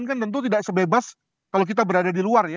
kan tentu tidak sebebas kalau kita berada di luar ya